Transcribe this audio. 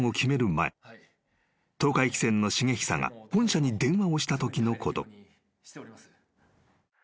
前東海汽船の重久が本社に電話をしたときのこと］